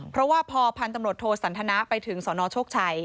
เพราะว่าพอพันตรวจโทษสันทนาไปถึงสอนอชโชคชัย